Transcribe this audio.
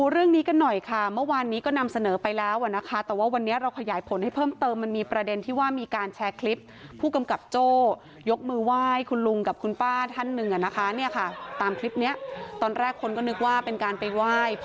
เรากำลังตรวจสอบอยู่ครับอันต้องใช้เวลานิดเพราะมันเรื่องนานแล้ว